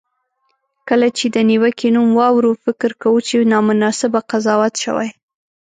کله چې د نیوکې نوم واورو، فکر کوو چې نامناسبه قضاوت شوی.